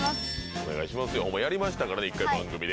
お願いしますよ、やりましたからね、１回、番組で。